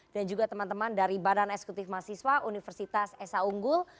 dan juga teman teman dari badan eksekutif mahasiswa universitas esa unggul